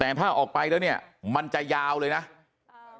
แต่ถ้าออกไปแล้วเนี่ยมันจะยาวเลยน่ะเอ่อเมื่อกี้นั่งฟังอยู่